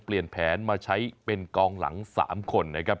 เปลี่ยนแผนมาใช้เป็นกองหลัง๓คนนะครับ